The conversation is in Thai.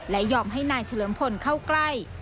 และยอมให้นายเฉลิมพลเข้าใกล้